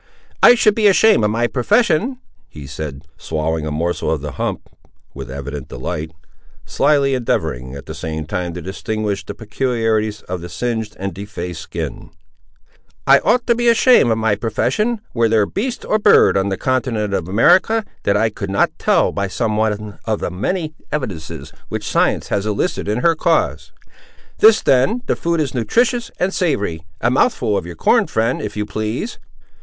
"I should be ashamed of my profession," he said, swallowing a morsel of the hump with evident delight, slily endeavouring at the same time to distinguish the peculiarities of the singed and defaced skin, "I ought to be ashamed of my profession, were there beast, or bird, on the continent of America, that I could not tell by some one of the many evidences which science has enlisted in her cause. This—then—the food is nutritious and savoury—a mouthful of your corn, friend, if you please?"